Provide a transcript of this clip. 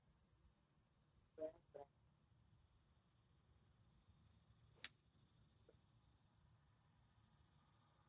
Brown graduated through the Manchester City youth scheme before signing professionally for the club.